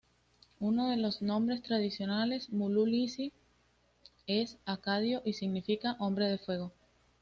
Uno de los nombres tradicionales, Mulu-Lizi, es acadio y significa "Hombre de Fuego".